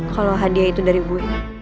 kalau hadiah itu dari bu